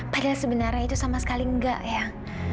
padahal sebenarnya itu sama sekali enggak ya